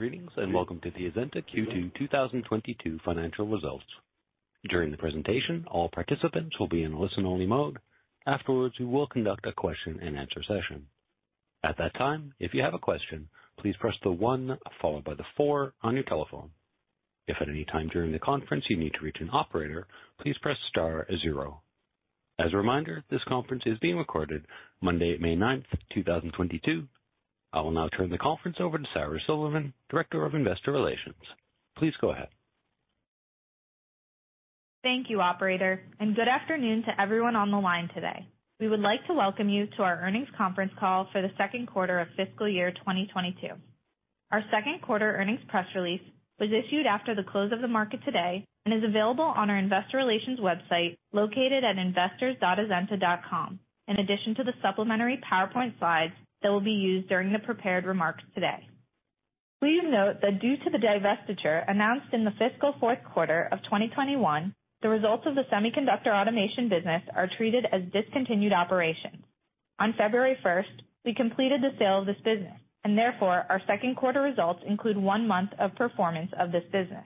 Greetings, and welcome to the Azenta Q2 2022 financial results. During the presentation, all participants will be in listen only mode. Afterwards, we will conduct a question-and-answer session. At that time, if you have a question, please press the one followed by the four on your telephone. If at any time during the conference you need to reach an operator, please press star zero. As a reminder, this conference is being recorded Monday, May ninth, 2022. I will now turn the conference over to Sara Silverman, Director of Investor Relations. Please go ahead. Thank you operator, and good afternoon to everyone on the line today. We would like to welcome you to our earnings conference call for the Q2 of fiscal year 2022. Our Q2 earnings press release was issued after the close of the market today and is available on our investor relations website located at investors.azenta.com. In addition to the supplementary PowerPoint slides that will be used during the prepared remarks today, please note that due to the divestiture announced in the fiscal Q4 of 2021, the results of the Semiconductor Automation business are treated as discontinued operations. On February 1, we completed the sale of this business and therefore our Q2 results include one month of performance of this business.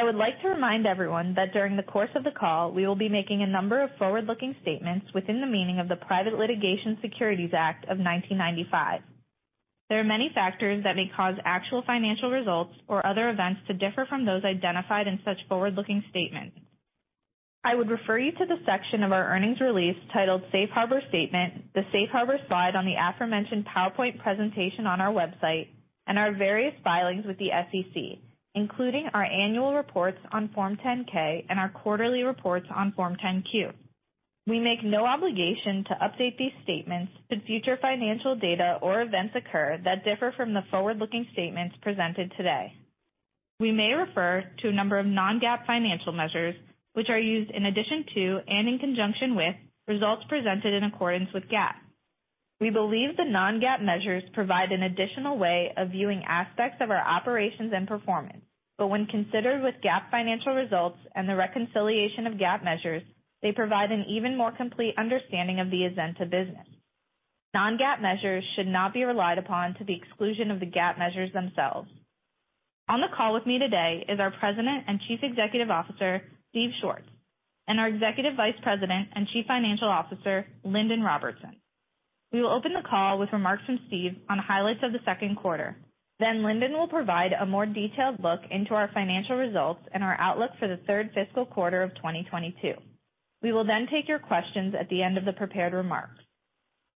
I would like to remind everyone that during the course of the call we will be making a number of forward-looking statements within the meaning of the Private Securities Litigation Reform Act of 1995. There are many factors that may cause actual financial results or other events to differ from those identified in such forward-looking statements. I would refer you to the section of our earnings release titled Safe Harbor Statement, the Safe Harbor slide on the aforementioned PowerPoint presentation on our website and our various filings with the SEC, including our annual reports on Form 10-K and our quarterly reports on Form 10-Q. We make no obligation to update these statements should future financial data or events occur that differ from the forward-looking statements presented today. We may refer to a number of non-GAAP financial measures which are used in addition to, and in conjunction with, results presented in accordance with GAAP. We believe the non-GAAP measures provide an additional way of viewing aspects of our operations and performance, but when considered with GAAP financial results and the reconciliation of GAAP measures, they provide an even more complete understanding of the Azenta business. Non-GAAP measures should not be relied upon to the exclusion of the GAAP measures themselves. On the call with me today is our President and Chief Executive Officer, Steve Schwartz, and our Executive Vice President and Chief Financial Officer, Lindon Robertson. We will open the call with remarks from Steve on highlights of the Q2. Lindon will provide a more detailed look into our financial results and our outlook for the third fiscal quarter of 2022. We will then take your questions at the end of the prepared remarks.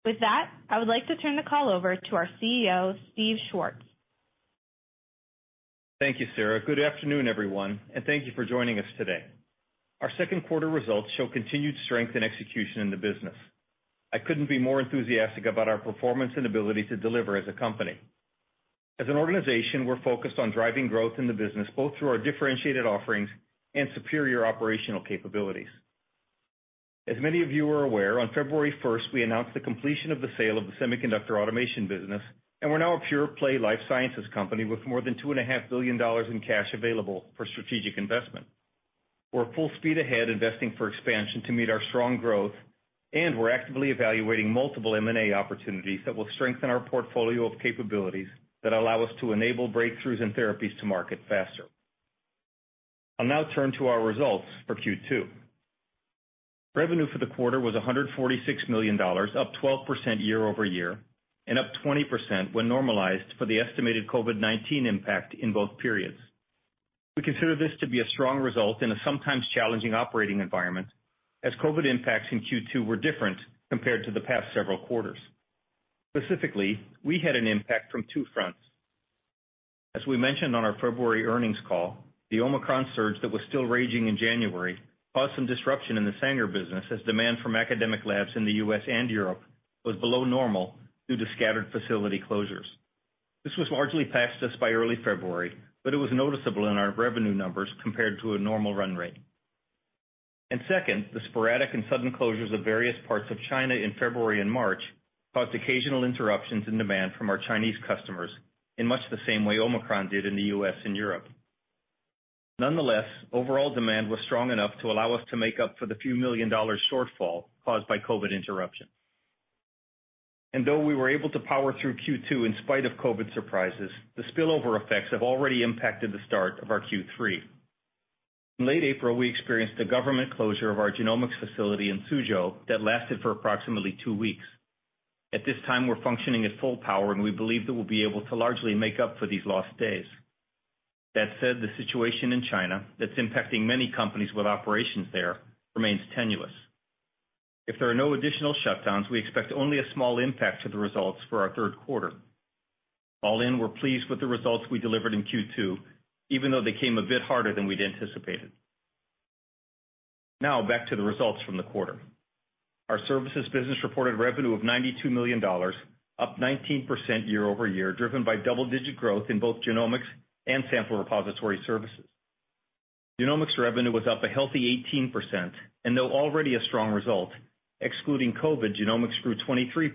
With that, I would like to turn the call over to our CEO, Steve Schwartz. Thank you, Sara. Good afternoon, everyone, and thank you for joining us today. Our Q2 results show continued strength and execution in the business. I couldn't be more enthusiastic about our performance and ability to deliver as a company. As an organization, we are focused on driving growth in the business, both through our differentiated offerings and superior operational capabilities. As many of you are aware, on February first, we announced the completion of the sale of the Semiconductor Automation business, and we are now a pure play life sciences company with more than $2.5 billion in cash available for strategic investment. We're full speed ahead investing for expansion to meet our strong growth, and we're actively evaluating multiple M&A opportunities that will strengthen our portfolio of capabilities that allow us to enable breakthroughs in therapies to market faster. I'll now turn to our results for Q2. Revenue for the quarter was $146 million, up 12% year-over-year and up 20% when normalized for the estimated COVID-19 impact in both periods. We consider this to be a strong result in a sometimes challenging operating environment, as COVID impacts in Q2 were different compared to the past several quarters. Specifically, we had an impact from two fronts. As we mentioned on our February earnings call, the Omicron surge that was still raging in January caused some disruption in the Sanger business as demand from academic labs in the U.S. and Europe was below normal due to scattered facility closures. This was largely past us by early February, but it was noticeable in our revenue numbers compared to a normal run rate. Second, the sporadic and sudden closures of various parts of China in February and March caused occasional interruptions in demand from our Chinese customers in much the same way Omicron did in the U.S. and Europe. Nonetheless, overall demand was strong enough to allow us to make up for the $ few million shortfall caused by COVID interruption. Though we were able to power through Q2 in spite of COVID surprises, the spillover effects have already impacted the start of our Q3. In late April, we experienced a government closure of our genomics facility in Suzhou that lasted for approximately two weeks. At this time, we are functioning at full power, and we believe that we'll be able to largely make up for these lost days. That said, the situation in China that's impacting many companies with operations there remains tenuous. If there are no additional shutdowns, we expect only a small impact to the results for our Q3. All in, we're pleased with the results we delivered in Q2, even though they came a bit harder than we'd anticipated. Now back to the results from the quarter. Our services business reported revenue of $92 million, up 19% year-over-year, driven by double-digit growth in both Genomics and Sample Repository Services. Genomics revenue was up a healthy 18%. Though already a strong result, excluding COVID, genomics grew 23%,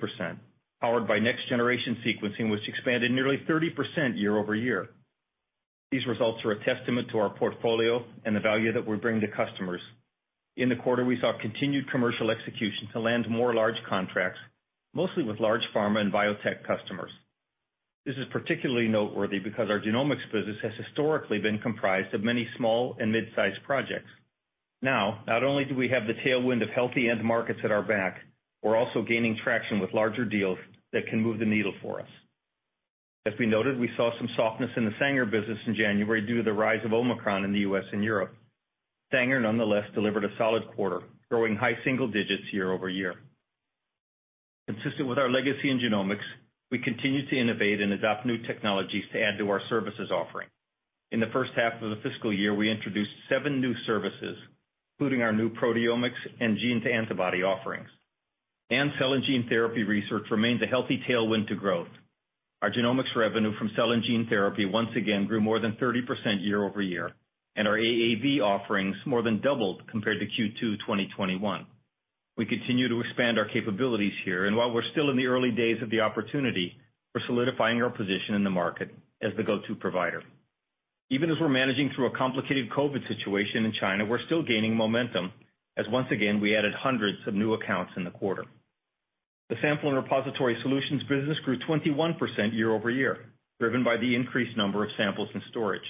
powered by Next Generation Sequencing, which expanded nearly 30% year-over-year. These results are a testament to our portfolio and the value that we bring to customers. In the quarter, we saw continued commercial execution to land more large contracts, mostly with large pharma and biotech customers. This is particularly noteworthy because our genomics business has historically been comprised of many small and mid-sized projects. Now, not only do we have the tailwind of healthy end markets at our back, we're also gaining traction with larger deals that can move the needle for us. As we noted, we saw some softness in the Sanger business in January due to the rise of Omicron in the US and Europe. Sanger, nonetheless, delivered a solid quarter, growing high single digits year-over-year. Consistent with our legacy in genomics, we continue to innovate and adopt new technologies to add to our services offering. In the first half of the fiscal year, we introduced seven new services, including our new proteomics and gene-to-antibody offerings. Cell and gene therapy research remains a healthy tailwind to growth. Our genomics revenue from cell and gene therapy once again grew more than 30% year-over-year, and our AAV offerings more than doubled compared to Q2 2021. We continue to expand our capabilities here, and while we're still in the early days of the opportunity, we're solidifying our position in the market as the go-to provider. Even as we are managing through a complicated COVID situation in China, we're still gaining momentum as once again, we added hundreds of new accounts in the quarter. The Sample Repository Solutions business grew 21% year-over-year, driven by the increased number of samples in storage.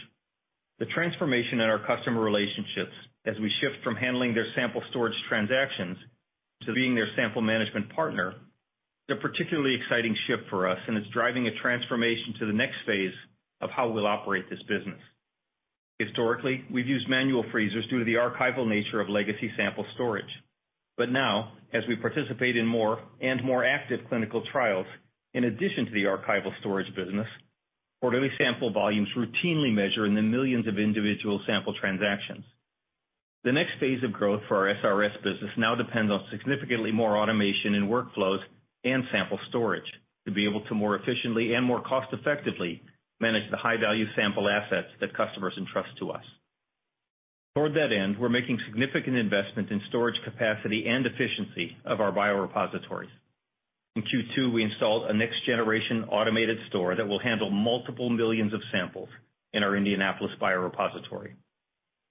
The transformation in our customer relationships as we shift from handling their sample storage transactions to being their sample management partner, is a particularly exciting shift for us, and it's driving a transformation to the next phase of how we'll operate this business. Historically, we've used manual freezers due to the archival nature of legacy sample storage. Now, as we participate in more and more active clinical trials, in addition to the archival storage business, quarterly sample volumes routinely measure in the millions of individual sample transactions. The next phase of growth for our SRS business now depends on significantly more automation in workflows and sample storage to be able to more efficiently and more cost-effectively manage the high-value sample assets that customers entrust to us. Toward that end, we are making significant investments in storage capacity and efficiency of our biorepositories. In Q2, we installed a next generation automated store that will handle multiple millions of samples in our Indianapolis biorepository.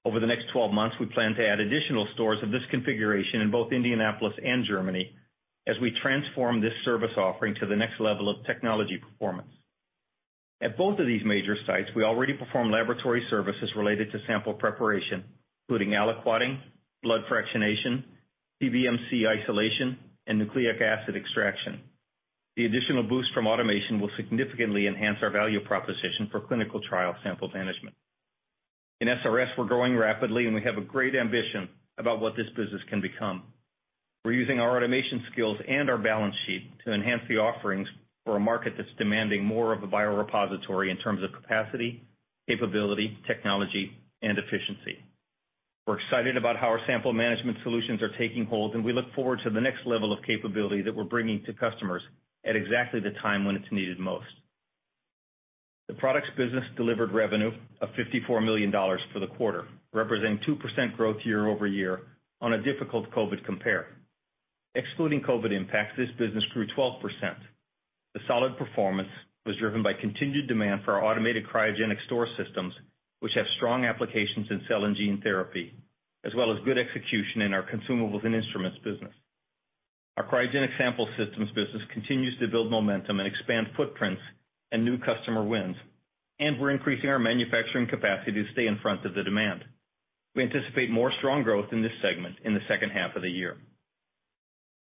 Over the next 12 months, we plan to add additional stores of this configuration in both Indianapolis and Germany as we transform this service offering to the next level of technology performance. At both of these major sites, we already perform laboratory services related to sample preparation, including aliquoting, blood fractionation, PBMC isolation, and nucleic acid extraction. The additional boost from automation will significantly enhance our value proposition for clinical trial sample management. In SRS, we're growing rapidly, and we have a great ambition about what this business can become. We're using our automation skills and our balance sheet to enhance the offerings for a market that's demanding more of a biorepository in terms of capacity, capability, technology, and efficiency. We're excited about how our sample management solutions are taking hold, and we look forward to the next level of capability that we're bringing to customers at exactly the time when it's needed most. The products business delivered revenue of $54 million for the quarter, representing 2% growth year-over-year on a difficult COVID compare. Excluding COVID impacts, this business grew 12%. The solid performance was driven by continued demand for our automated cryogenic storage systems, which have strong applications in cell and gene therapy, as well as good execution in our consumables and instruments business. Our cryogenic sample systems business continues to build momentum and expand footprints and new customer wins, and we're increasing our manufacturing capacity to stay in front of the demand. We anticipate more strong growth in this segment in the second half of the year.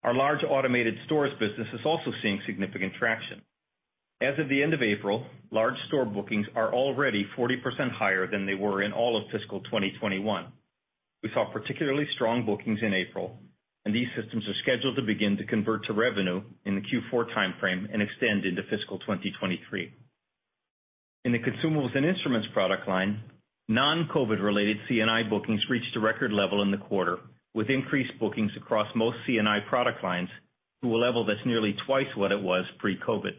Our large automated stores business is also seeing significant traction. As of the end of April, large store bookings are already 40% higher than they were in all of fiscal 2021. We saw particularly strong bookings in April, and these systems are scheduled to begin to convert to revenue in the Q4 timeframe and extend into fiscal 2023. In the consumables and instruments product line, non-COVID related C&I bookings reached a record level in the quarter, with increased bookings across most C&I product lines to a level that's nearly twice what it was pre-COVID.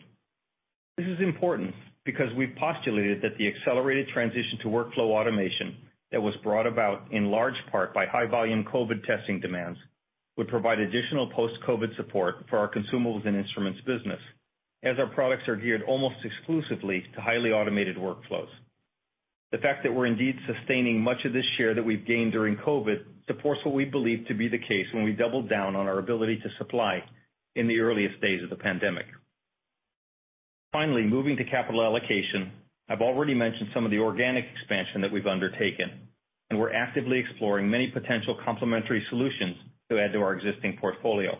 This is important because we've postulated that the accelerated transition to workflow automation that was brought about in large part by high volume COVID testing demands, would provide additional post-COVID support for our consumables and instruments business, as our products are geared almost exclusively to highly automated workflows. The fact that we are indeed sustaining much of this share that we've gained during COVID supports what we believe to be the case when we doubled down on our ability to supply in the earliest days of the pandemic. Finally, moving to capital allocation. I've already mentioned some of the organic expansion that we've undertaken, and we're actively exploring many potential complementary solutions to add to our existing portfolio.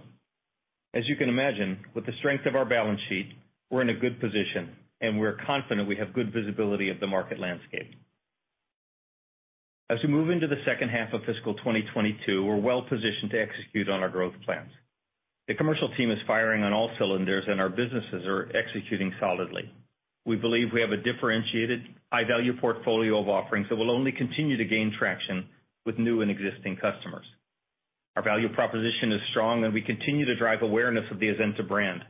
As you can imagine, with the strength of our balance sheet, we're in a good position, and we are confident we have good visibility of the market landscape. As we move into the second half of fiscal 2022, we're well positioned to execute on our growth plans. The commercial team is firing on all cylinders and our businesses are executing solidly. We believe we have a differentiated high-value portfolio of offerings that will only continue to gain traction with new and existing customers. Our value proposition is strong, and we continue to drive awareness of the Azenta brand.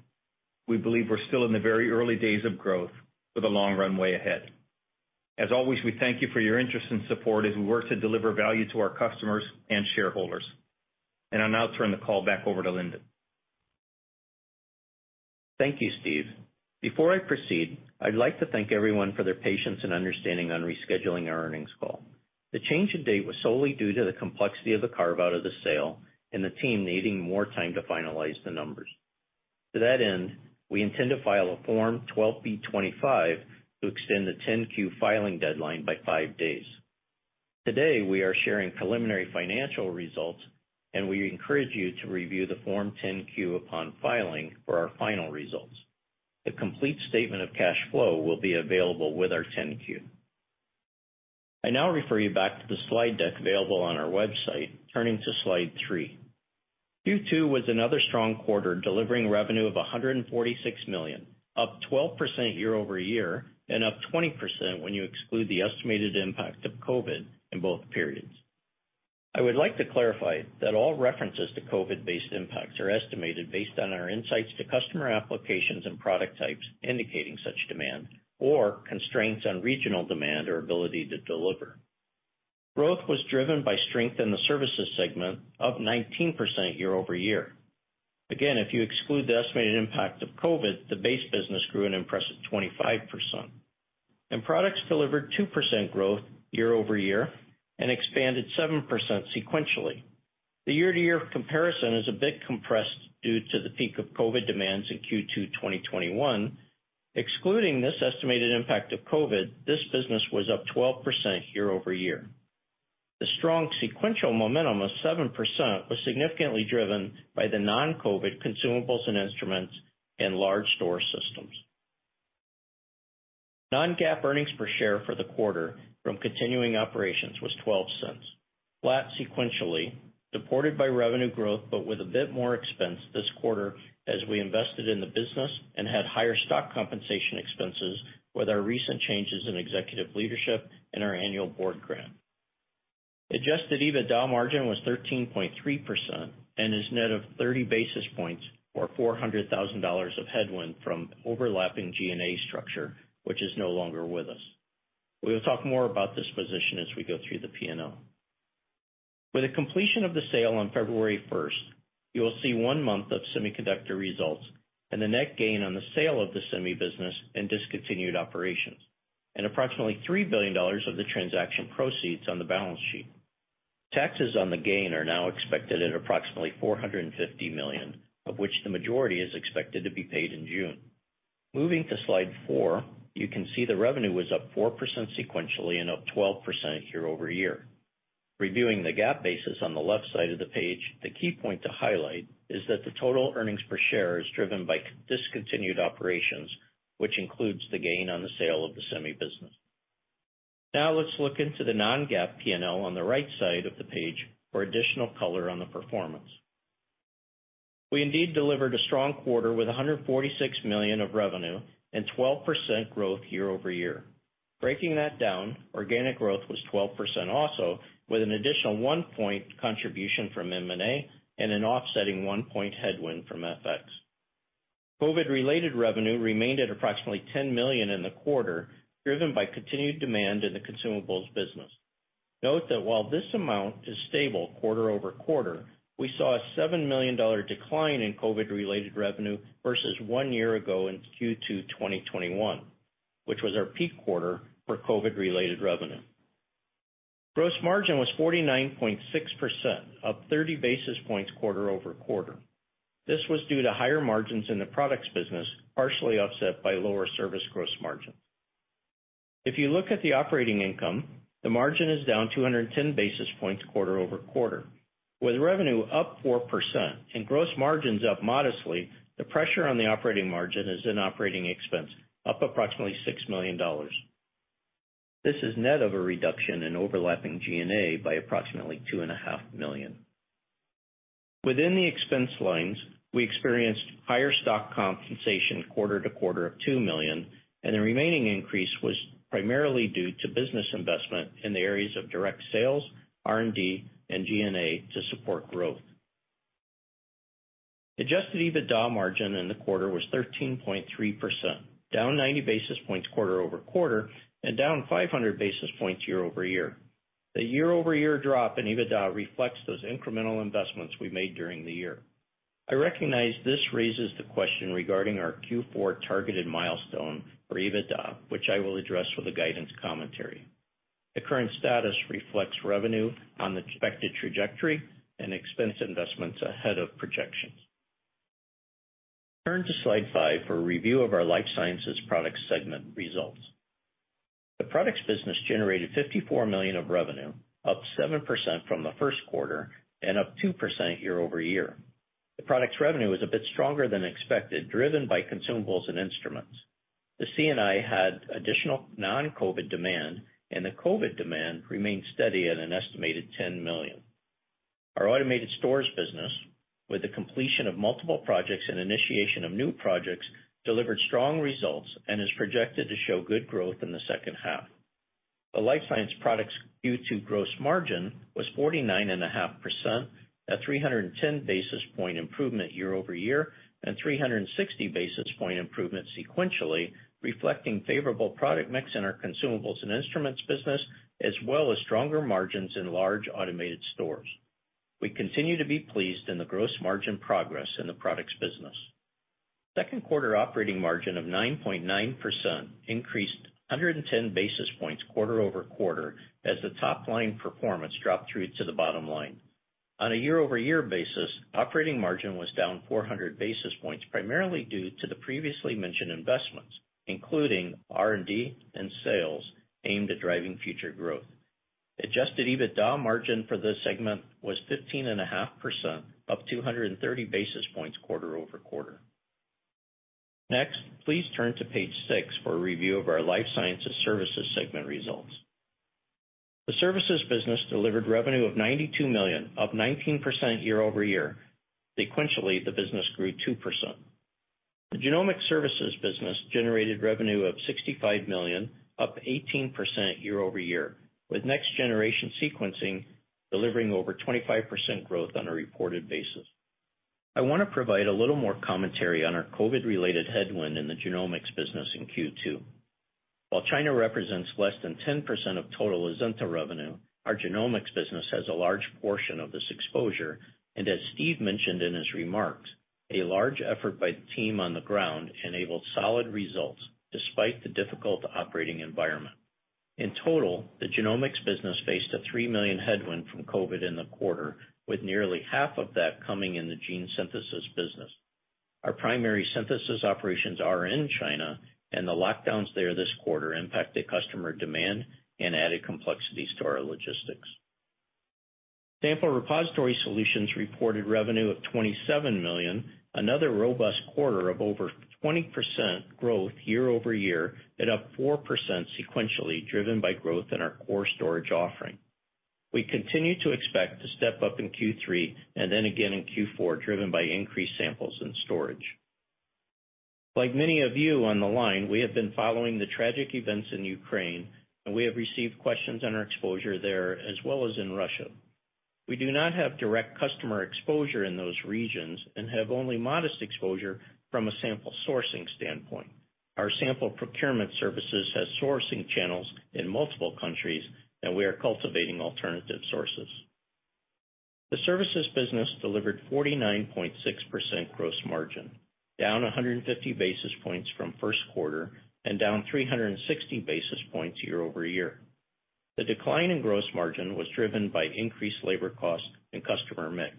We believe we're still in the very early days of growth with a long runway ahead. As always, we thank you for your interest and support as we work to deliver value to our customers and shareholders. I'll now turn the call back over to Lindon. Thank you, Steve. Before I proceed, I'd like to thank everyone for their patience and understanding on rescheduling our earnings call. The change in date was solely due to the complexity of the carve-out of the sale and the team needing more time to finalize the numbers. To that end, we intend to file a Form 12b-25 to extend the 10-Q filing deadline by five days. Today, we are sharing preliminary financial results, and we encourage you to review the Form 10-Q upon filing for our final results. The complete statement of cash flow will be available with our 10-Q. I now refer you back to the slide deck available on our website. Turning to slide 3. Q2 was another strong quarter, delivering revenue of $146 million, up 12% year-over-year, and up 20% when you exclude the estimated impact of COVID in both periods. I would like to clarify that all references to COVID-based impacts are estimated based on our insights to customer applications and product types indicating such demand or constraints on regional demand or ability to deliver. Growth was driven by strength in the services segment, up 19% year-over-year. Again, if you exclude the estimated impact of COVID, the base business grew an impressive 25%. Products delivered 2% growth year-over-year and expanded 7% sequentially. The year-to-year comparison is a bit compressed due to the peak of COVID demands in Q2 2021. Excluding this estimated impact of COVID, this business was up 12% year-over-year. The strong sequential momentum of 7% was significantly driven by the non-COVID consumables and instruments and large store systems. non-GAAP earnings per share for the quarter from continuing operations was $0.12, flat sequentially, supported by revenue growth, but with a bit more expense this quarter as we invested in the business and had higher stock compensation expenses with our recent changes in executive leadership and our annual board grant. Adjusted EBITDA margin was 13.3% and is net of 30 basis points or $400,000 of headwind from overlapping G&A structure, which is no longer with us. We will talk more about this position as we go through the P&L. With the completion of the sale on February 1, you will see 1 month of semiconductor results and the net gain on the sale of the semi business and discontinued operations, and approximately $3 billion of the transaction proceeds on the balance sheet. Taxes on the gain are now expected at approximately $450 million, of which the majority is expected to be paid in June. Moving to slide 4, you can see the revenue was up 4% sequentially and up 12% year-over-year. Reviewing the GAAP basis on the left side of the page, the key point to highlight is that the total earnings per share is driven by discontinued operations, which includes the gain on the sale of the semi business. Now let's look into the non-GAAP P&L on the right side of the page for additional color on the performance. We indeed delivered a strong quarter with $146 million of revenue and 12% growth year-over-year. Breaking that down, organic growth was 12% also, with an additional 1% contribution from M&A and an offsetting 1% headwind from FX. COVID-related revenue remained at approximately $10 million in the quarter, driven by continued demand in the consumables business. Note that while this amount is stable quarter-over-quarter, we saw a $7 million decline in COVID-related revenue versus one year ago in Q2 2021, which was our peak quarter for COVID-related revenue. Gross margin was 49.6%, up 30 basis points quarter-over-quarter. This was due to higher margins in the products business, partially offset by lower service gross margin. If you look at the operating income, the margin is down 210 basis points quarter-over-quarter. With revenue up 4% and gross margins up modestly, the pressure on the operating margin is in operating expense, up approximately $6 million. This is net of a reduction in overlapping G&A by approximately $2.5 million. Within the expense lines, we experienced higher stock compensation quarter-over-quarter of $2 million, and the remaining increase was primarily due to business investment in the areas of direct sales, R&D, and G&A to support growth. Adjusted EBITDA margin in the quarter was 13.3%, down 90 basis points quarter-over-quarter and down 500 basis points year-over-year. The year-over-year drop in EBITDA reflects those incremental investments we made during the year. I recognize this raises the question regarding our Q4 targeted milestone for EBITDA, which I will address with the guidance commentary. The current status reflects revenue on the expected trajectory and expense investments ahead of projections. Turn to slide five for a review of our life sciences products segment results. The products business generated $54 million of revenue, up 7% from the Q1 and up 2% year-over-year. The products revenue was a bit stronger than expected, driven by consumables and instruments. The C&I had additional non-COVID demand, and the COVID demand remained steady at an estimated $10 million. Our automated stores business, with the completion of multiple projects and initiation of new projects, delivered strong results and is projected to show good growth in the second half. The life science products Q2 gross margin was 49.5% at 310 basis point improvement year-over-year and 360 basis point improvement sequentially, reflecting favorable product mix in our consumables and instruments business as well as stronger margins in large automated stores. We continue to be pleased in the gross margin progress in the products business. Q2 operating margin of 9.9% increased 110 basis points quarter-over-quarter as the top line performance dropped through to the bottom line. On a year-over-year basis, operating margin was down 400 basis points, primarily due to the previously mentioned investments, including R&D and sales aimed at driving future growth. Adjusted EBITDA margin for this segment was 15.5%, up 230 basis points quarter-over-quarter. Next, please turn to page six for a review of our Life Sciences Services segment results. The services business delivered revenue of $92 million, up 19% year-over-year. Sequentially, the business grew 2%. The genomics services business generated revenue of $65 million, up 18% year-over-year, with Next Generation Sequencing delivering over 25% growth on a reported basis. I want to provide a little more commentary on our COVID-related headwind in the genomics business in Q2. While China represents less than 10% of total Azenta revenue, our genomics business has a large portion of this exposure. As Steve mentioned in his remarks, a large effort by the team on the ground enabled solid results despite the difficult operating environment. In total, the genomics business faced a $3 million headwind from COVID in the quarter, with nearly half of that coming in the gene synthesis business. Our primary synthesis operations are in China, and the lockdowns there this quarter impacted customer demand and added complexities to our logistics. Sample Repository Solutions reported revenue of $27 million, another robust quarter of over 20% growth year-over-year, and up 4% sequentially, driven by growth in our core storage offering. We continue to expect to step up in Q3 and then again in Q4, driven by increased samples in storage. Like many of you on the line, we have been following the tragic events in Ukraine, and we have received questions on our exposure there, as well as in Russia. We do not have direct customer exposure in those regions and have only modest exposure from a sample sourcing standpoint. Our sample procurement services has sourcing channels in multiple countries, and we are cultivating alternative sources. The services business delivered 49.6% gross margin, down 150 basis points from Q1 and down 360 basis points year-over-year. The decline in gross margin was driven by increased labor costs and customer mix.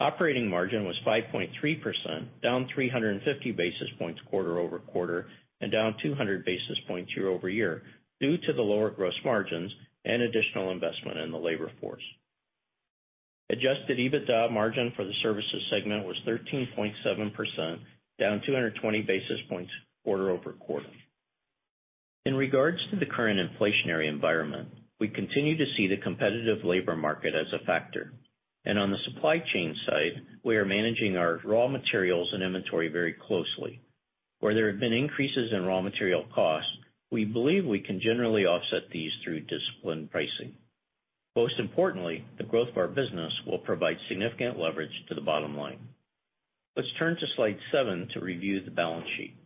Operating margin was 5.3%, down 350 basis points quarter-over-quarter and down 200 basis points year-over-year due to the lower gross margins and additional investment in the labor force. Adjusted EBITDA margin for the services segment was 13.7%, down 220 basis points quarter-over-quarter. In regards to the current inflationary environment, we continue to see the competitive labor market as a factor. On the supply chain side, we are managing our raw materials and inventory very closely. Where there have been increases in raw material costs, we believe we can generally offset these through disciplined pricing. Most importantly, the growth of our business will provide significant leverage to the bottom line. Let's turn to slide 7 to review the balance sheet.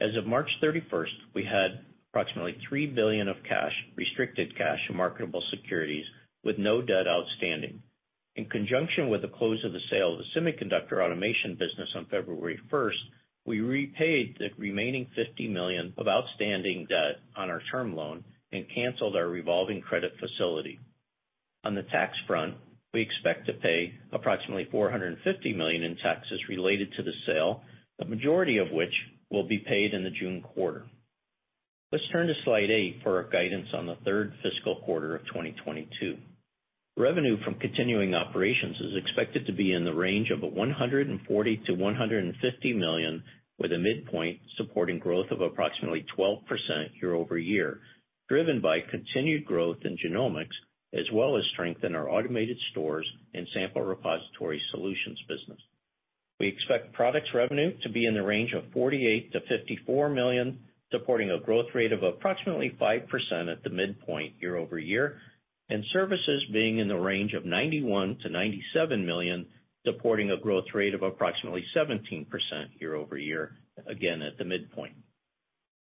As of March 31, we had approximately $3 billion of cash, restricted cash, and marketable securities, with no debt outstanding. In conjunction with the close of the sale of the Semiconductor Automation business on February 1, we repaid the remaining $50 million of outstanding debt on our term loan and canceled our revolving credit facility. On the tax front, we expect to pay approximately $450 million in taxes related to the sale, the majority of which will be paid in the June quarter. Let's turn to slide 8 for our guidance on the third fiscal quarter of 2022. Revenue from continuing operations is expected to be in the range of $140 million-$150 million, with a midpoint supporting growth of approximately 12% year-over-year, driven by continued growth in genomics, as well as strength in our automated stores and Sample Repository Solutions business. We expect products revenue to be in the range of $48 million-$54 million, supporting a growth rate of approximately 5% at the midpoint year-over-year, and services being in the range of $91 million-$97 million, supporting a growth rate of approximately 17% year-over-year, again at the midpoint.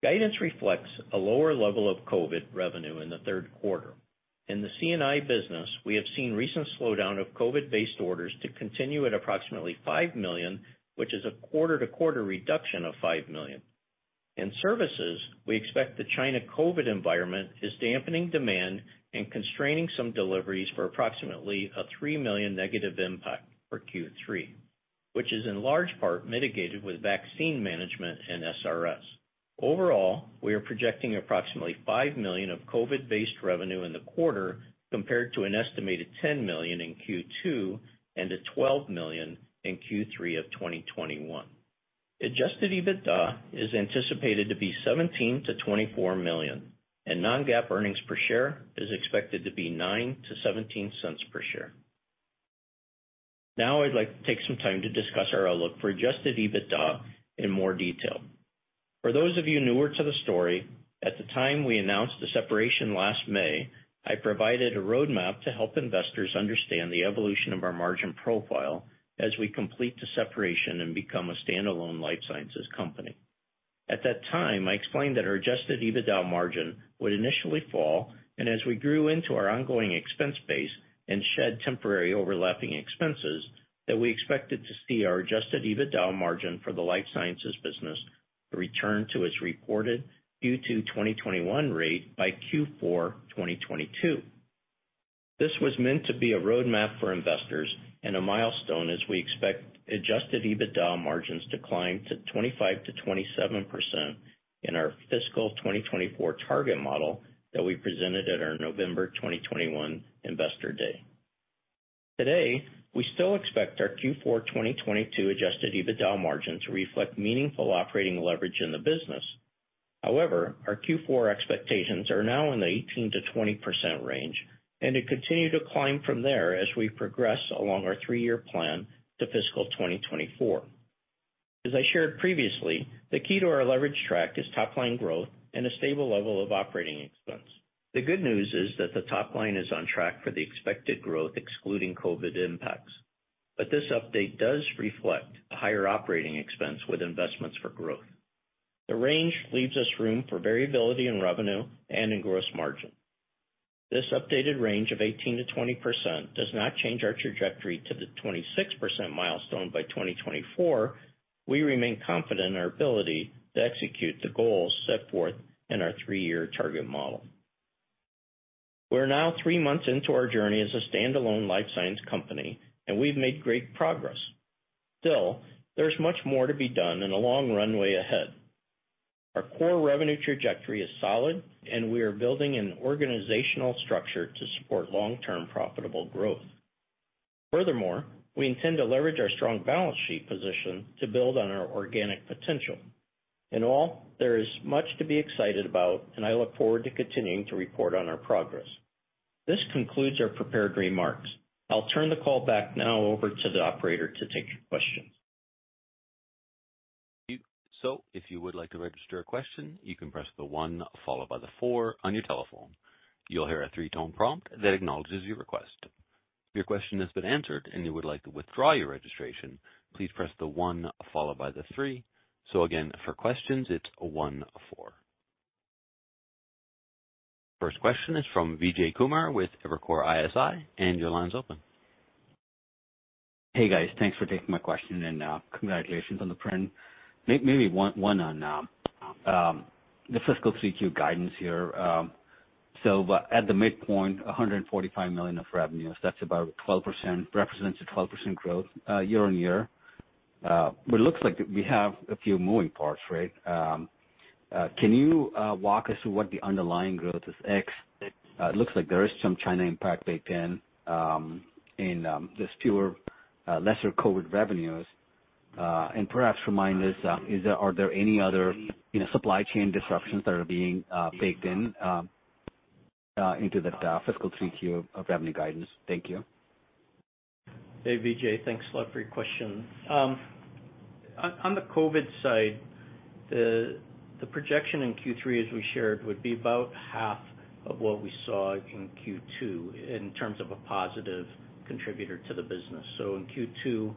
Guidance reflects a lower level of COVID revenue in the Q3. In the C&I business, we have seen recent slowdown of COVID-based orders to continue at approximately $5 million, which is a quarter-to-quarter reduction of $5 million. In services, we expect the China COVID environment is dampening demand and constraining some deliveries for approximately a $3 million negative impact for Q3, which is in large part mitigated with vaccine management and SRS. Overall, we are projecting approximately $5 million of COVID-based revenue in the quarter compared to an estimated $10 million in Q2 and a $12 million in Q3 of 2021. Adjusted EBITDA is anticipated to be $17 million-$24 million, and non-GAAP earnings per share is expected to be $0.09-$0.17 per share. Now I'd like to take some time to discuss our outlook for adjusted EBITDA in more detail. For those of you newer to the story, at the time we announced the separation last May, I provided a roadmap to help investors understand the evolution of our margin profile as we complete the separation and become a standalone life sciences company. At that time, I explained that our adjusted EBITDA margin would initially fall, and as we grew into our ongoing expense base and shed temporary overlapping expenses, that we expected to see our adjusted EBITDA margin for the Life Sciences business return to its reported Q2 2021 rate by Q4 2022. This was meant to be a roadmap for investors and a milestone as we expect adjusted EBITDA margins to climb to 25%-27% in our fiscal 2024 target model that we presented at our November 2021 Investor Day. Today, we still expect our Q4 2022 adjusted EBITDA margin to reflect meaningful operating leverage in the business. However, our Q4 expectations are now in the 18%-20% range, and to continue to climb from there as we progress along our three-year plan to fiscal 2024. As I shared previously, the key to our leverage track is top line growth and a stable level of operating expense. The good news is that the top line is on track for the expected growth excluding COVID impacts. This update does reflect a higher operating expense with investments for growth. The range leaves us room for variability in revenue and in gross margin. This updated range of 18%-20% does not change our trajectory to the 26% milestone by 2024. We remain confident in our ability to execute the goals set forth in our three-year target model. We're now three months into our journey as a standalone life science company, and we've made great progress. Still, there's much more to be done and a long runway ahead. Our core revenue trajectory is solid, and we are building an organizational structure to support long-term profitable growth. Furthermore, we intend to leverage our strong balance sheet position to build on our organic potential. In all, there is much to be excited about, and I look forward to continuing to report on our progress. This concludes our prepared remarks. I'll turn the call back now over to the operator to take your questions. If you would like to register a question, you can press the 1 followed by the 4 on your telephone. You'll hear a 3-tone prompt that acknowledges your request. If your question has been answered and you would like to withdraw your registration, please press the 1 followed by the 3. Again, for questions, it's 1, 4. First question is from Vijay Kumar with Evercore ISI, and your line's open. Hey, guys. Thanks for taking my question, and congratulations on the print. Maybe one on the fiscal three Q guidance here. So at the midpoint, $145 million of revenues, that's about 12%--represents a 12% growth year-on-year. But it looks like we have a few moving parts, right? Can you walk us through what the underlying growth is. It looks like there is some China impact baked in, and there's lesser COVID revenues. Perhaps remind us, are there any other, you know, supply chain disruptions that are being baked in into the fiscal three Q of revenue guidance? Thank you. Hey, Vijay. Thanks a lot for your question. On the COVID side, the projection in Q3, as we shared, would be about half of what we saw in Q2 in terms of a positive contributor to the business. In Q2,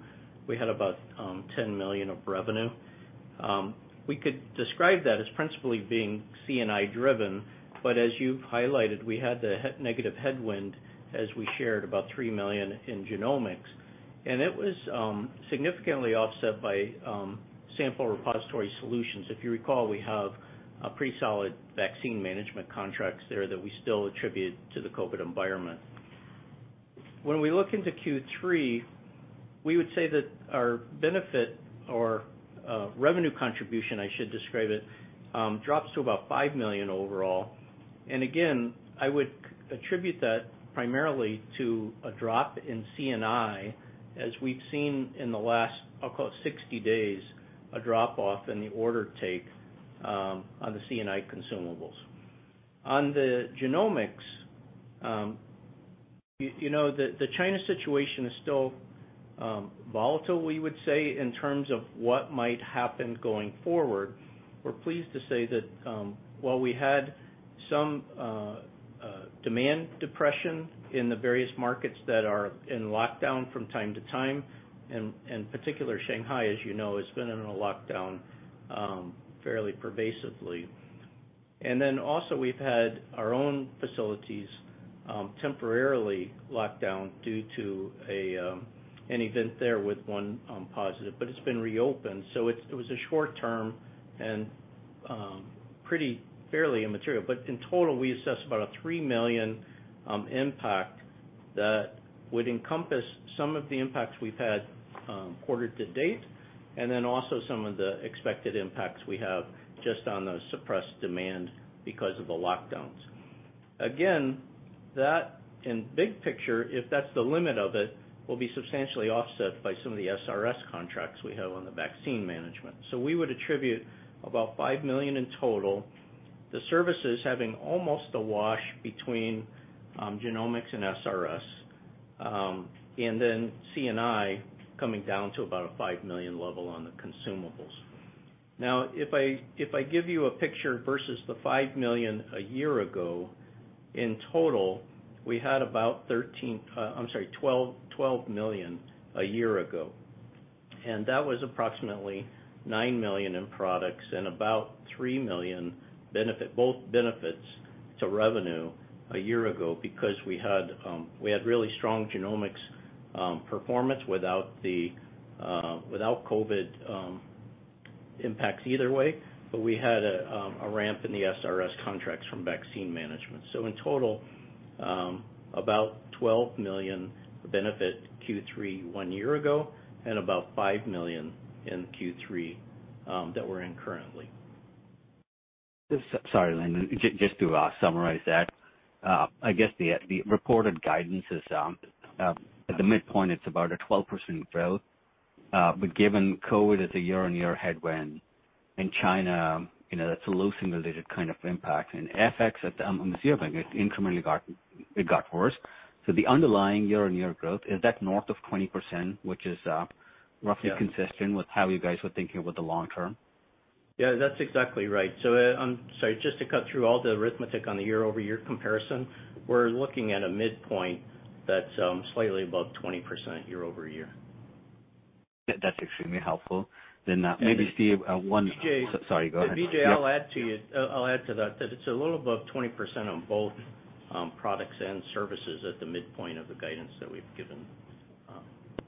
we had about $10 million of revenue. We could describe that as principally being C&I driven. But as you've highlighted, we had the negative headwind as we shared about $3 million in genomics, and it was significantly offset by Sample Repository Solutions. If you recall, we have a pretty solid vaccine management contracts there that we still attribute to the COVID environment. When we look into Q3, we would say that our benefit or revenue contribution, I should describe it, drops to about $5 million overall. Again, I would attribute that primarily to a drop in C&I as we've seen in the last, I'll call it 60 days, a drop-off in the order intake on the C&I consumables. On the genomics, you know, the China situation is still volatile, we would say, in terms of what might happen going forward. We're pleased to say that while we had some demand depression in the various markets that are in lockdown from time to time, in particular Shanghai, as you know, has been in a lockdown fairly pervasively. Then also we've had our own facilities temporarily locked down due to an event there with one positive, but it's been reopened. So it was a short-term and pretty fairly immaterial. In total, we assess about a $3 million impact that would encompass some of the impacts we've had quarter to date, and then also some of the expected impacts we have just on the suppressed demand because of the lockdowns. Again that in big picture, if that's the limit of it, will be substantially offset by some of the SRS contracts we have on the vaccine management. We would attribute about $5 million in total, the services having almost a wash between genomics and SRS, and then C&I coming down to about a $5 million level on the consumables. Now, if I give you a picture versus the $5 million a year ago. In total, we had about $12 million a year ago, and that was approximately $9 million in products and about $3 million benefits to revenue a year ago because we had really strong genomics performance without COVID impacts either way. We had a ramp in the SRS contracts from vaccine management. In total, about $12 million benefit Q3 one year ago and about $5 million in Q3 that we're in currently. Sorry, Lindon. Just to summarize that, I guess the reported guidance is at the midpoint, it's about a 12% growth. But given COVID as a year-on-year headwind and China, you know, it's a loosening related kind of impact. FX at the on the year, I think it's incrementally got worse. The underlying year-on-year growth is that north of 20%, which is Yeah. Roughly consistent with how you guys were thinking about the long term. Yeah, that's exactly right. I'm sorry, just to cut through all the arithmetic on the year-over-year comparison, we're looking at a midpoint that's slightly above 20% year-over-year. That's extremely helpful. Maybe Steve, one- Vijay. Sorry, go ahead. Vijay, I'll add to that, it's a little above 20% on both products and services at the midpoint of the guidance that we've given.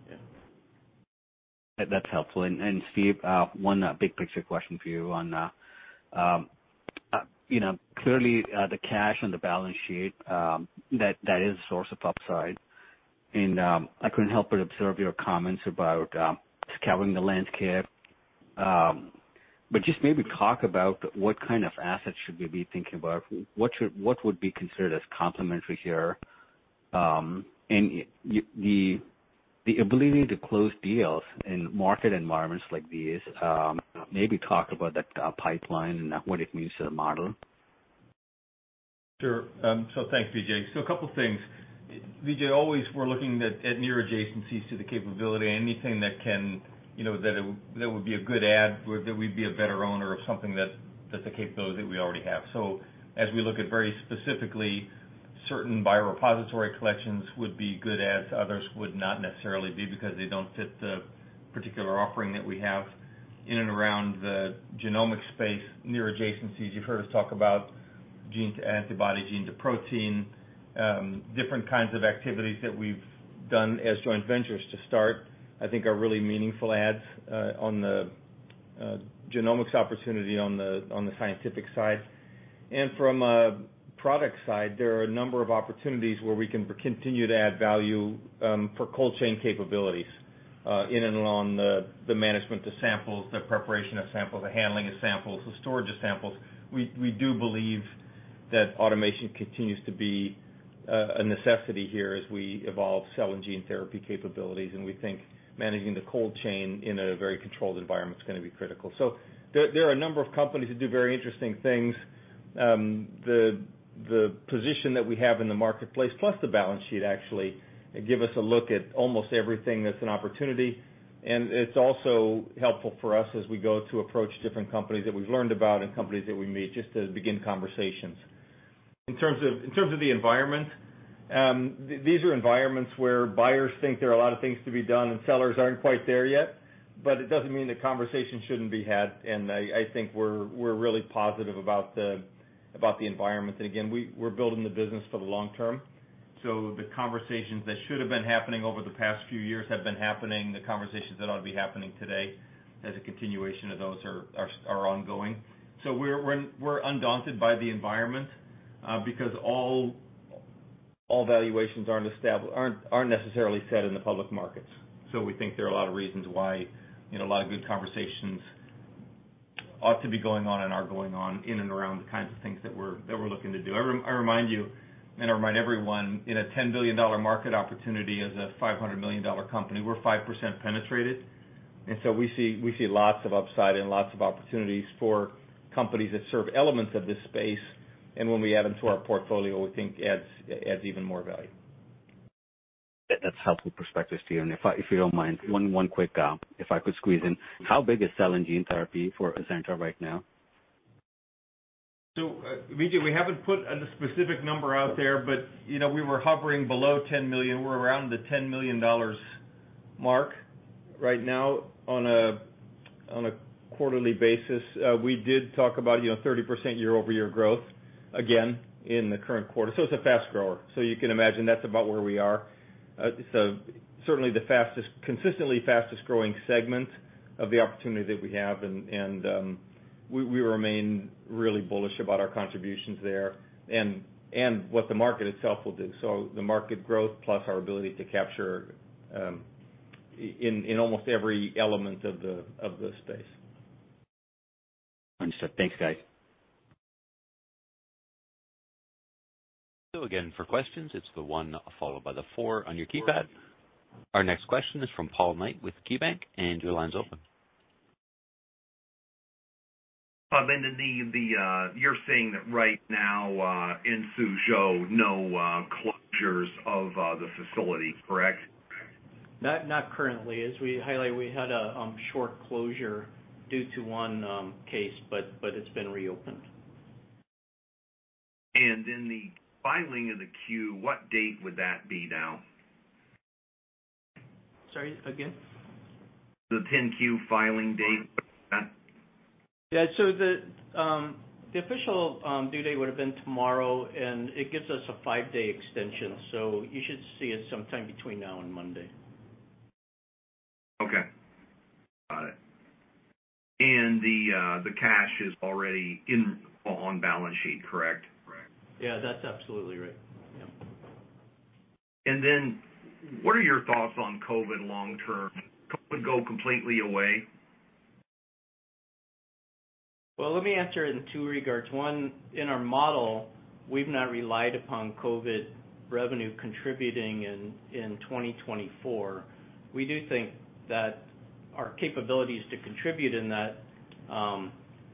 Yeah. That's helpful. Steve, one big picture question for you on, you know, clearly, the cash on the balance sheet, that is a source of upside. I couldn't help but observe your comments about scouring the landscape. Just maybe talk about what kind of assets should we be thinking about? What would be considered as complementary here? The ability to close deals in market environments like these, maybe talk about that pipeline and what it means to the model. Sure. Thanks, Vijay. A couple things. Vijay, always we're looking at near adjacencies to the capability. Anything that can, you know, that would be a good add or that we'd be a better owner of something that's a capability that we already have. As we look at very specifically certain biorepository collections would be good adds, others would not necessarily be because they don't fit the particular offering that we have in and around the genomic space near adjacencies. You've heard us talk about gene to antibody, gene to protein, different kinds of activities that we've done as joint ventures to start. I think are really meaningful adds on the genomics opportunity on the scientific side. From a product side, there are a number of opportunities where we can continue to add value for cold chain capabilities in and on the management of samples, the preparation of samples, the handling of samples, the storage of samples. We do believe that automation continues to be a necessity here as we evolve cell and gene therapy capabilities, and we think managing the cold chain in a very controlled environment is gonna be critical. There are a number of companies who do very interesting things. The position that we have in the marketplace plus the balance sheet actually give us a look at almost everything that's an opportunity. It's also helpful for us as we go to approach different companies that we've learned about and companies that we meet just to begin conversations. In terms of the environment, these are environments where buyers think there are a lot of things to be done and sellers aren't quite there yet. It doesn't mean the conversation shouldn't be had. I think we're really positive about the environment. Again, we are building the business for the long term. The conversations that should have been happening over the past few years have been happening. The conversations that ought to be happening today as a continuation of those are ongoing. We're undaunted by the environment, because all valuations aren't necessarily set in the public markets. We think there are a lot of reasons why, you know, a lot of good conversations ought to be going on and are going on in and around the kinds of things that we're looking to do. I remind you, and I remind everyone, in a $10 billion market opportunity as a $500 million company, we're 5% penetrated. We see lots of upside and lots of opportunities for companies that serve elements of this space. When we add them to our portfolio, we think adds even more value. That's helpful perspective, Steve. If you don't mind, one quick if I could squeeze in. How big is cell and gene therapy for Azenta right now? Vijay, we haven't put a specific number out there, but you know, we were hovering below $10 million. We're around the $10 million mark right now on a quarterly basis. We did talk about, you know, 30% year-over-year growth again in the current quarter. It's a fast grower. You can imagine that's about where we are. Certainly the fastest consistently fastest-growing segment of the opportunity that we have and we remain really bullish about our contributions there and what the market itself will do. The market growth plus our ability to capture in almost every element of the space. Understood. Thanks, guys. Again, for questions, it's the 1 followed by the 4 on your keypad. Our next question is from Paul Knight with KeyBanc, and your line's open. Lindon, you are saying that right now in Suzhou, no closures of the facility, correct? Not currently. As we highlighted, we had a short closure due to one case, but it's been reopened. The filing of the Q, what date would that be now? Sorry, again? The 10-Q filing date for that. Yeah. The official due date would have been tomorrow, and it gives us a five-day extension. You should see it sometime between now and Monday. Okay. Got it. The cash is already on balance sheet, correct? Yeah, that's absolutely right. Yeah. What are your thoughts on COVID long term? COVID go completely away? Well, let me answer in two regards. One, in our model, we've not relied upon COVID revenue contributing in 2024. We do think that our capabilities to contribute in that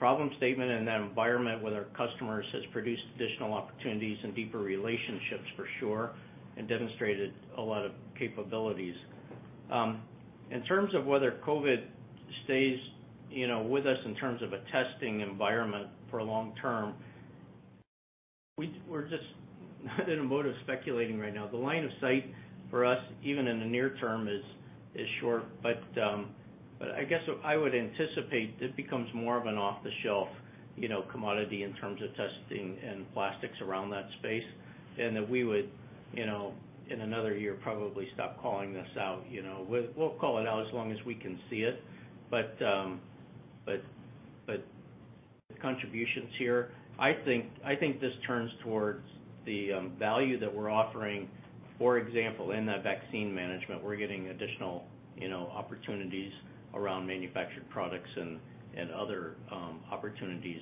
problem statement and that environment with our customers has produced additional opportunities and deeper relationships for sure, and demonstrated a lot of capabilities. In terms of whether COVID stays, you know, with us in terms of a testing environment for long term, we're just not in a mode of speculating right now. The line of sight for us, even in the near term, is short. I guess I would anticipate it becomes more of an off-the-shelf, you know, commodity in terms of testing and plastics around that space. That we would, you know, in another year, probably stop calling this out. You know, we'll call it out as long as we can see it. The contributions here, I think this turns towards the value that we're offering. For example, in that vaccine management, we're getting additional, you know, opportunities around manufactured products and other opportunities,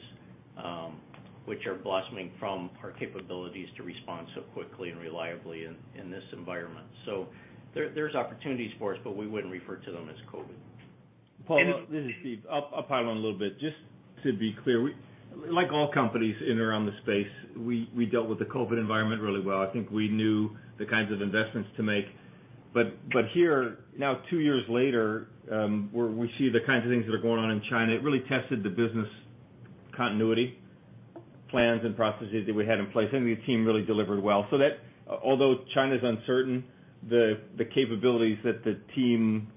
which are blossoming from our capabilities to respond so quickly and reliably in this environment. There's opportunities for us, but we wouldn't refer to them as COVID. Paul, this is Steve. I'll pile on a little bit. Just to be clear, we like all companies in and around the space, we dealt with the COVID environment really well. I think we knew the kinds of investments to make. Here, now two years later, we're we see the kinds of things that are going on in China. It really tested the business continuity plans and processes that we had in place, and the team really delivered well. Although China's uncertain, the capabilities that the team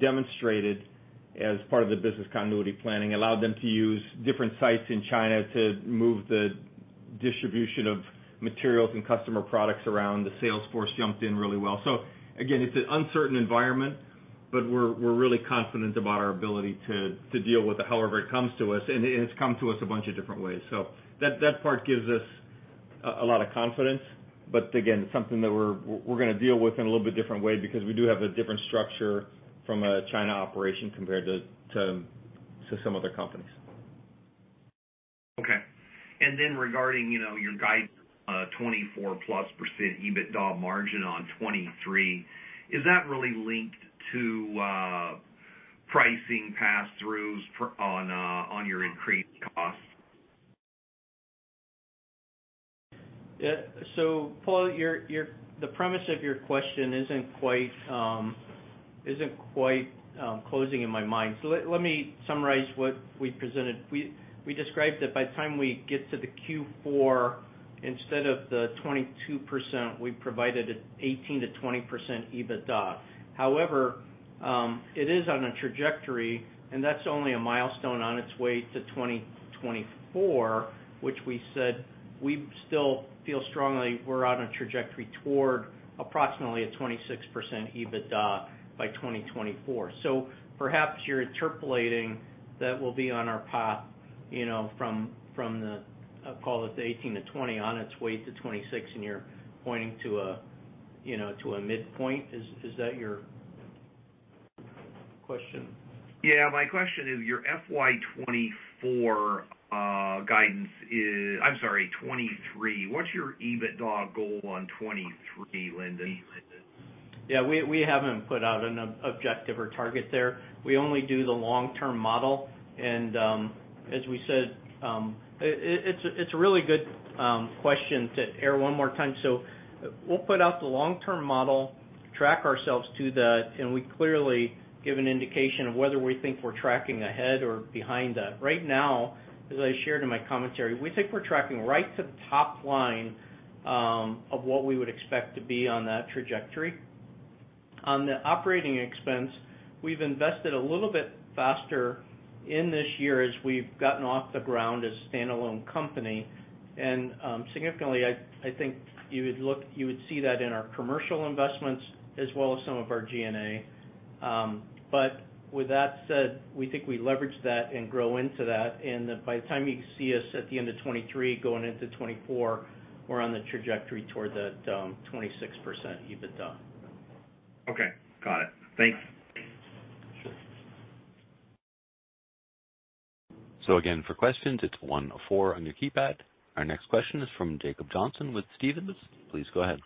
demonstrated as part of the business continuity planning allowed them to use different sites in China to move the distribution of materials and customer products around, the sales force jumped in really well. Again, it's an uncertain environment, but we are really confident about our ability to deal with it however it comes to us. It has come to us a bunch of different ways. That part gives us a lot of confidence. Again, something that we're gonna deal with in a little bit different way because we do have a different structure from a China operation compared to some other companies. Okay. Regarding, you know, your guide, 24%+ EBITDA margin on 23, is that really linked to pricing pass-throughs for your increased costs? Yeah. Paul, the premise of your question isn't quite closing in my mind. Let me summarize what we presented. We described that by the time we get to the Q4, instead of the 22%, we provided 18%-20% EBITDA. However, it is on a trajectory, and that's only a milestone on its way to 2024, which we said we still feel strongly we're on a trajectory toward approximately a 26% EBITDA by 2024. Perhaps you're interpolating that we'll be on our path, you know, from the 18%-20% on its way to 26, and you're pointing to a midpoint. Is that your question? My question is your FY 2023 guidance. What's your EBITDA goal on 2023, Lindon? Yeah. We haven't put out an objective or target there. We only do the long-term model. As we said, it's a really good question to air one more time. We'll put out the long-term model, track ourselves to that, and we clearly give an indication of whether we think we're tracking ahead or behind that. Right now, as I shared in my commentary, we think we're tracking right to top line of what we would expect to be on that trajectory. On the operating expense, we've invested a little bit faster in this year as we've gotten off the ground as standalone company. Significantly, I think you would see that in our commercial investments as well as some of our G&A. With that said, we think we leverage that and grow into that. By the time you see us at the end of 2023 going into 2024, we're on the trajectory toward that, 26% EBITDA. Okay. Got it. Thanks. Sure. Again, for questions, it's 1 4 on your keypad. Our next question is from Jacob Johnson with Stephens. Please go ahead.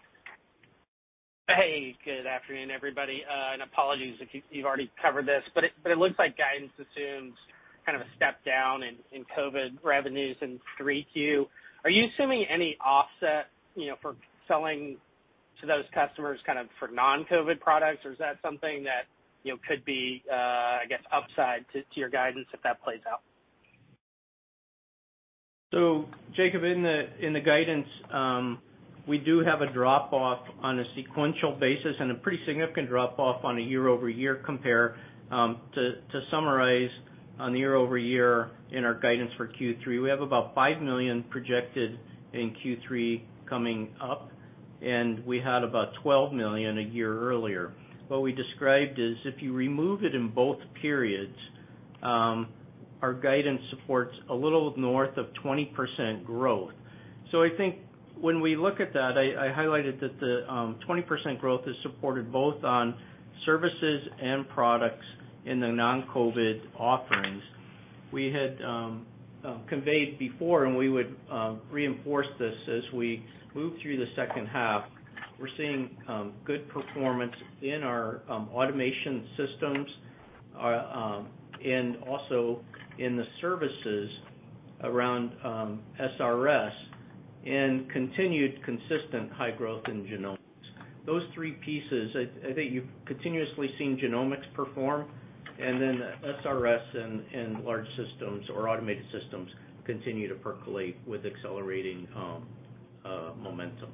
Hey, good afternoon, everybody. Apologies if you have already covered this, but it looks like guidance assumes kind of a step down in COVID revenues in 3Q. Are you assuming any offset, you know, for selling to those customers kind of for non-COVID products? Or is that something that, you know, could be, I guess, upside to your guidance if that plays out? Jacob, in the guidance, we do have a drop off on a sequential basis and a pretty significant drop off on a year-over-year compare. To summarize, on the year-over-year in our guidance for Q3, we have about $5 million projected in Q3 coming up, and we had about $12 million a year earlier. What we described is if you remove it in both periods, our guidance supports a little north of 20% growth. I think when we look at that, I highlighted that the 20% growth is supported both on services and products in the non-COVID offerings. We had conveyed before, and we would reinforce this as we move through the second half. We are seeing good performance in our automation systems and also in the services around SRS and continued consistent high growth in genomics. Those three pieces, I think you've continuously seen genomics perform and then SRS and large systems or automated systems continue to percolate with accelerating momentum.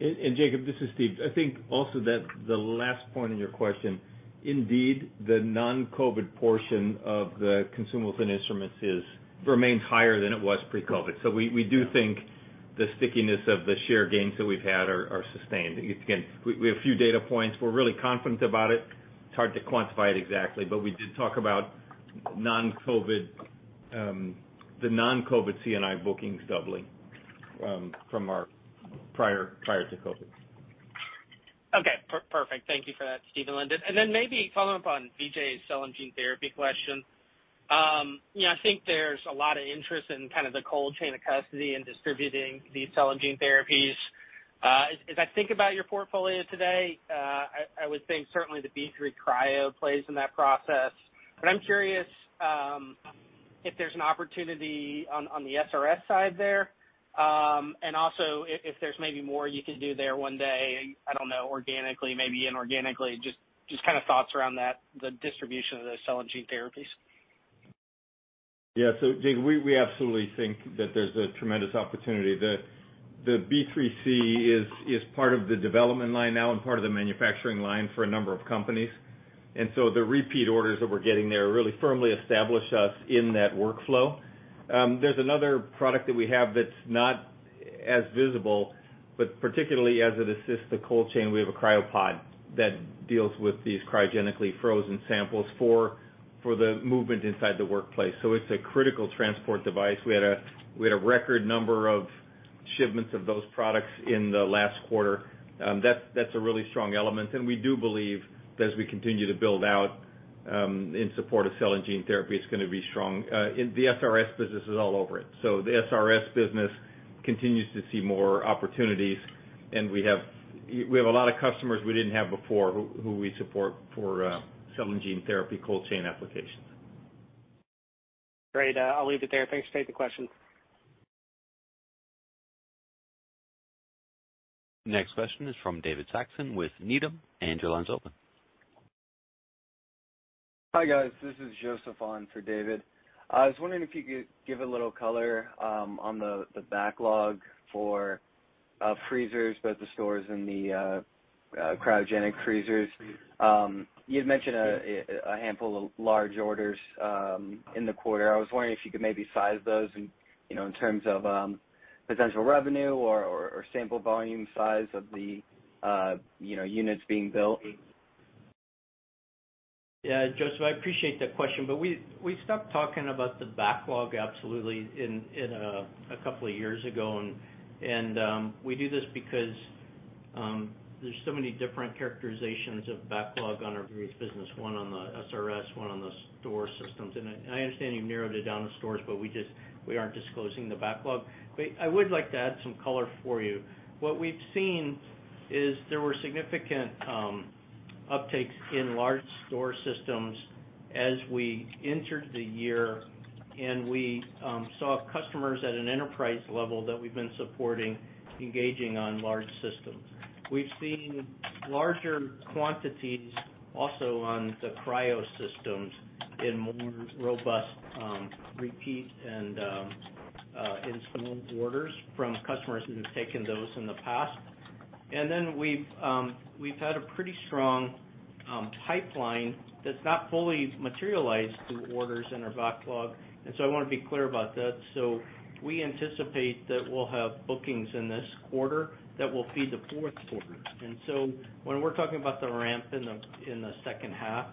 Jacob, this is Steve. I think also that the last point in your question, indeed the non-COVID portion of the consumables and instruments remains higher than it was pre-COVID. We do think the stickiness of the share gains that we've had are sustained. Again, we have a few data points. We're really confident about it. It's hard to quantify it exactly, but we did talk about non-COVID, the non-COVID C&I bookings doubling from our prior to COVID. Okay, perfect. Thank you for that, Steve and Lindon. Maybe following up on Vijay's cell and gene therapy question, you know, I think there's a lot of interest in kind of the cold chain of custody and distributing these cell and gene therapies. As I think about your portfolio today, I would think certainly the BioStore III Cryo plays in that process. But I'm curious if there's an opportunity on the SRS side there, and also if there's maybe more you could do there one day, I don't know, organically, maybe inorganically, just kind of thoughts around that, the distribution of the cell and gene therapies. Yeah. Jacob, we absolutely think that there's a tremendous opportunity. The B3C is part of the development line now and part of the manufacturing line for a number of companies. The repeat orders that we're getting there really firmly establish us in that workflow. There's another product that we have that's not as visible, but particularly as it assists the cold chain, we have a CryoPod that deals with these cryogenically frozen samples for the movement inside the workplace. It's a critical transport device. We had a record number of shipments of those products in the last quarter. That's a really strong element, and we do believe that as we continue to build out in support of cell and gene therapy, it's gonna be strong. The SRS business is all over it. The SRS business continues to see more opportunities, and we have a lot of customers we didn't have before who we support for cell and gene therapy cold chain applications. Great. I'll leave it there. Thanks for taking the question. Next question is from David Saxon with Needham. Your line's open. Hi, guys. This is Joseph on for David. I was wondering if you could give a little color on the backlog for freezers, both the storage and the cryogenic freezers. You'd mentioned a handful of large orders in the quarter. I was wondering if you could maybe size those in, you know, in terms of potential revenue or sample volume size of the, you know, units being built. Yeah. Joseph, I appreciate that question, but we stopped talking about the backlog absolutely in a couple of years ago. We do this because there's so many different characterizations of backlog on our various business, one on the SRS, one on the storage systems. I understand you've narrowed it down to storage, but we just aren't disclosing the backlog. I would like to add some color for you. What we've seen is there were significant uptakes in large storage systems as we entered the year, and we saw customers at an enterprise level that we've been supporting engaging on large systems. We've seen larger quantities also on the cryo systems in more robust repeat and installment orders from customers who have taken those in the past. We have had a pretty strong pipeline that's not fully materialized through orders in our backlog. I wanna be clear about that. We anticipate that we'll have bookings in this quarter that will feed the Q4. When we're talking about the ramp in the second half,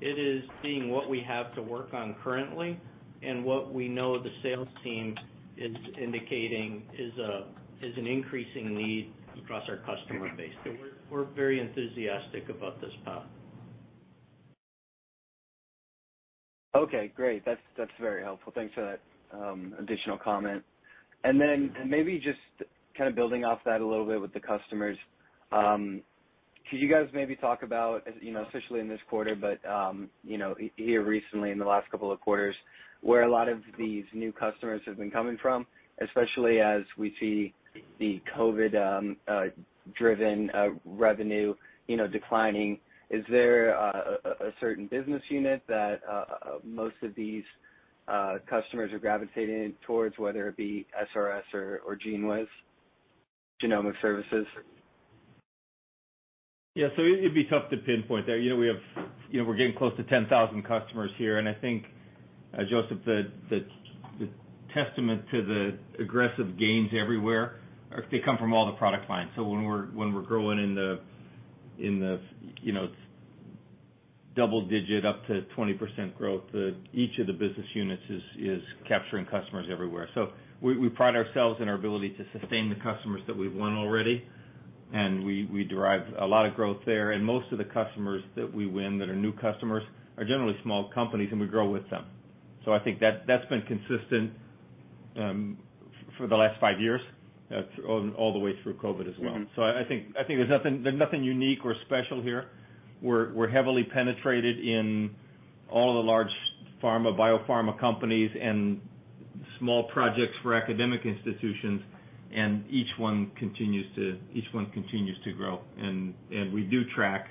it is seeing what we have to work on currently and what we know the sales team is indicating is an increasing need across our customer base. We are very enthusiastic about this path. Okay, great. That's very helpful. Thanks for that, additional comment. Then maybe just kind of building off that a little bit with the customers. Could you guys maybe talk about, you know, especially in this quarter, but you know, here recently in the last couple of quarters, where a lot of these new customers have been coming from, especially as we see the COVID-driven revenue, you know, declining. Is there a certain business unit that most of these customers are gravitating towards, whether it be SRS or GENEWIZ genomic services? Yeah. It'd be tough to pinpoint that. You know, we have, you know, we're getting close to 10,000 customers here, and I think, Joseph, the testament to the aggressive gains everywhere are. They come from all the product lines. When we're growing in the, you know, double-digit up to 20% growth, each of the business units is capturing customers everywhere. We pride ourselves in our ability to sustain the customers that we've won already, and we derive a lot of growth there. Most of the customers that we win that are new customers are generally small companies, and we grow with them. I think that's been consistent for the last 5 years through all the way through COVID as well. Mm-hmm. I think there's nothing unique or special here. We're heavily penetrated in all of the large pharma, biopharma companies and small projects for academic institutions, and each one continues to grow. We do track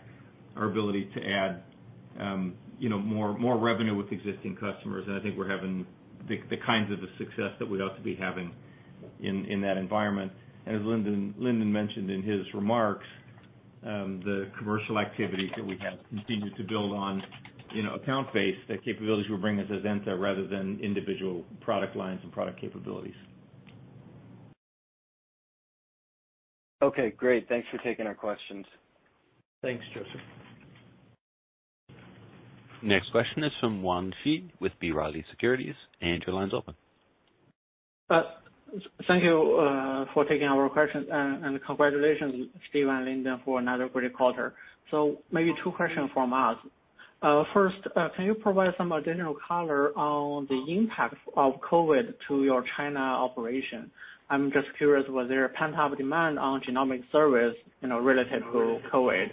our ability to add, you know, more revenue with existing customers, and I think we're having the kinds of success that we'd hope to be having in that environment. As Lindon mentioned in his remarks, the commercial activities that we have continued to build on, you know, account-based, the capabilities will bring us as Azenta rather than individual product lines and product capabilities. Okay, great. Thanks for taking our questions. Thanks, Joseph. Next question is from Yuan Zhi with B. Riley Securities. Your line's open. Thank you for taking our question, and congratulations, Steve and Lindon, for another great quarter. Maybe two question from us. First, can you provide some additional color on the impact of COVID to your China operation? I'm just curious, was there a pent-up demand on genomic service, you know, relative to COVID?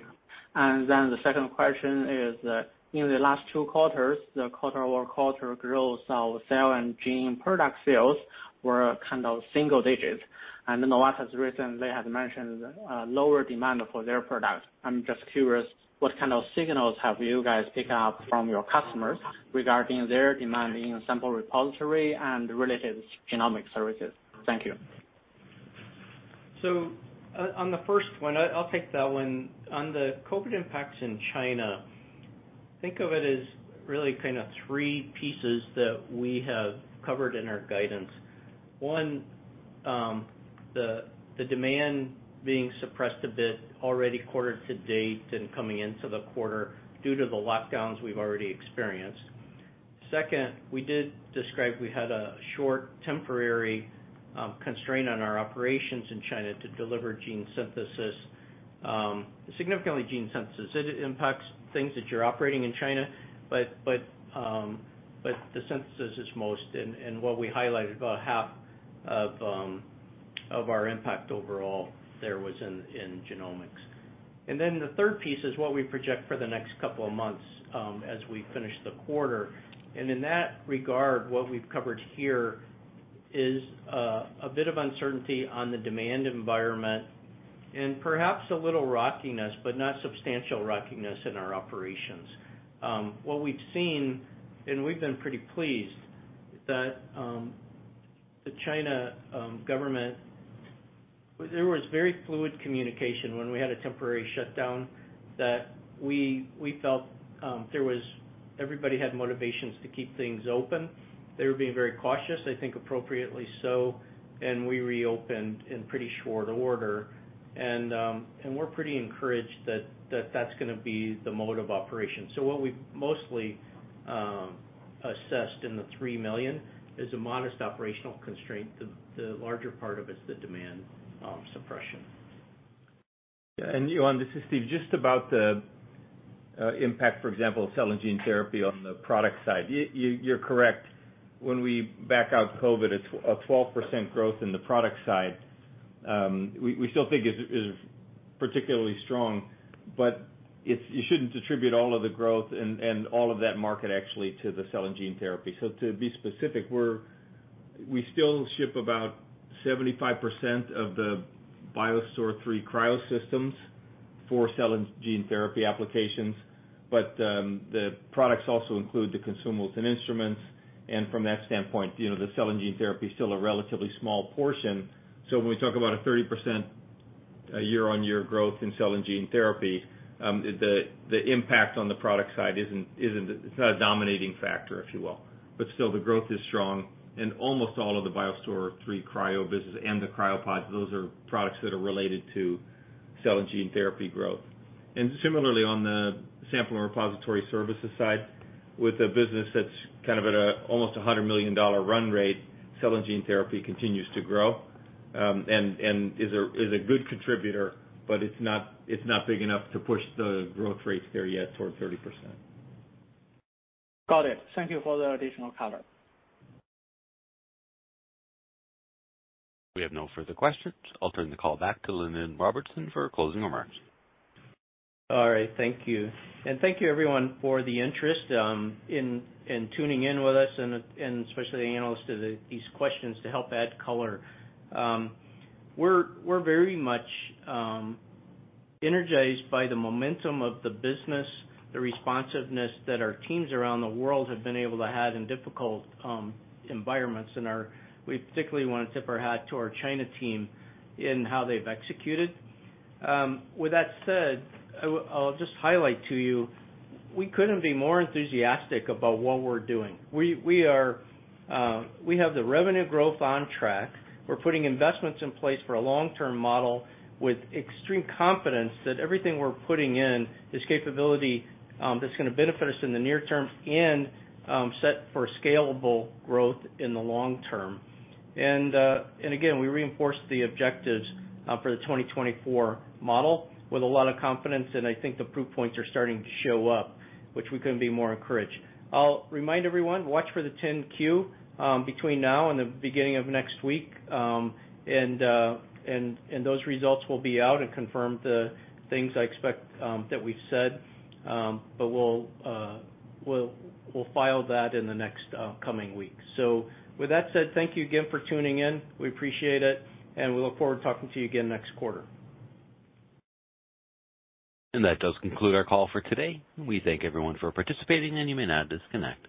And then the second question is, in the last two quarters, the quarter-over-quarter growth of cell and gene product sales were kind of single digits. And then Nova has recently mentioned lower demand for their product. I'm just curious, what kind of signals have you guys picked up from your customers regarding their demand in sample repository and related genomic services? Thank you. On the first one, I'll take that one. On the COVID impacts in China, think of it as really kind of three pieces that we have covered in our guidance. One, the demand being suppressed a bit already quarter to date and coming into the quarter due to the lockdowns we've already experienced. Second, we did describe we had a short temporary constraint on our operations in China to deliver gene synthesis, significant gene synthesis. It impacts things that you're operating in China, but the synthesis is most. And what we highlighted about half of our impact overall there was in genomics. The third piece is what we project for the next couple of months, as we finish the quarter. In that regard, what we've covered here is a bit of uncertainty on the demand environment and perhaps a little rockiness, but not substantial rockiness in our operations. What we've seen, and we've been pretty pleased. There was very fluid communication when we had a temporary shutdown that we felt everybody had motivations to keep things open. They were being very cautious, I think appropriately so, and we reopened in pretty short order. We're pretty encouraged that that's gonna be the mode of operation. What we've mostly assessed in the $3 million is a modest operational constraint. The larger part of it's the demand suppression. Yuan, this is Steve. Just about the impact, for example, of cell and gene therapy on the product side. You're correct. When we back out COVID, it's a 12% growth in the product side. We still think it's particularly strong, but you shouldn't attribute all of the growth and all of that market actually to the cell and gene therapy. To be specific, we still ship about 75% of the BioStore III Cryo systems for cell and gene therapy applications. But the products also include the consumables and instruments. From that standpoint, you know, the cell and gene therapy is still a relatively small portion. When we talk about a 30% year-on-year growth in cell and gene therapy, the impact on the product side isn't a dominating factor, if you will. Still the growth is strong and almost all of the BioStore III Cryo business and the CryoPods, those are products that are related to cell and gene therapy growth. Similarly, on the Sample Repository Solutions side, with a business that's kind of at almost a $100 million run rate, cell and gene therapy continues to grow and is a good contributor, but it's not big enough to push the growth rates there yet towards 30%. Got it. Thank you for the additional color. We have no further questions. I'll turn the call back to Lindon Robertson for closing remarks. All right. Thank you. Thank you everyone for the interest in tuning in with us and especially the analysts to these questions to help add color. We're very much energized by the momentum of the business, the responsiveness that our teams around the world have been able to have in difficult environments. We particularly wanna tip our hat to our China team in how they've executed. With that said, I'll just highlight to you, we couldn't be more enthusiastic about what we are doing. We have the revenue growth on track. We're putting investments in place for a long-term model with extreme confidence that everything we're putting in is capability that's gonna benefit us in the near term and set for scalable growth in the long term. We reinforce the objectives for the 2024 model with a lot of confidence, and I think the proof points are starting to show up, which we couldn't be more encouraged. I'll remind everyone, watch for the 10-Q between now and the beginning of next week. Those results will be out and confirm the things I expect that we've said. We'll file that in the next coming weeks. With that said, thank you again for tuning in. We appreciate it, and we look forward to talking to you again next quarter. That does conclude our call for today. We thank everyone for participating, and you may now disconnect.